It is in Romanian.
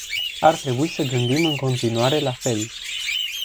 Ar trebui să gândim în continuare la fel.